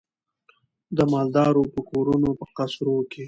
د مالدارو په کورونو په قصرو کي